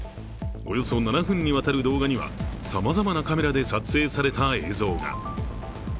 およそ７分にわたる動画ではさまざまなカメラで撮影された映像が。